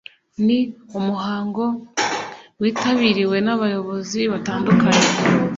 Ni umuhango witabiriwe n'abayobozi batandukanye